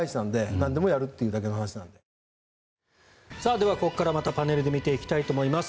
ではここからまたパネルで見ていきたいと思います。